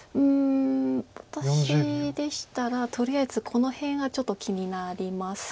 私でしたらとりあえずこの辺がちょっと気になります。